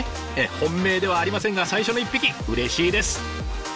本命ではありませんが最初の一匹うれしいです！